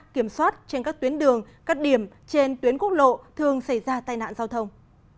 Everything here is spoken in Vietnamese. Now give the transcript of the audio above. kiểm soát trên các tuyến đường các điểm trên tuyến quốc lộ thường xảy ra tai nạn giao thông